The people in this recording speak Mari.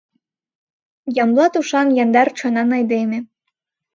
Ямблат ушан, яндар чонан айдеме.